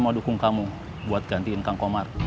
semoga kang komar dapat gantiin kang komar